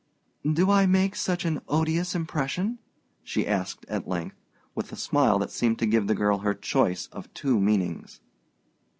"Do I make such an odious impression?" she asked at length, with a smile that seemed to give the girl her choice of two meanings.